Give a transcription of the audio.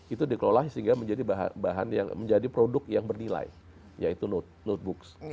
itu dikelola sehingga menjadi produk yang bernilai yaitu notebooks